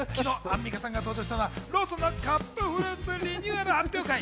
昨日、アンミカさんが登場したのはローソンのカップフルーツリニューアル発表会。